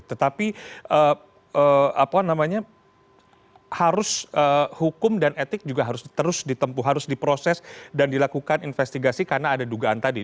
tetapi harus hukum dan etik juga harus terus ditempuh harus diproses dan dilakukan investigasi karena ada dugaan tadi